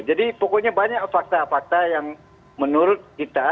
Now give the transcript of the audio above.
pokoknya banyak fakta fakta yang menurut kita